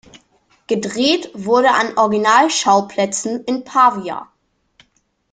Gedreht wurde an Originalschauplätzen in Pavia.